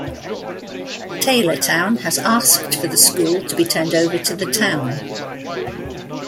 Taylortown has asked for the school to be turned over to the town.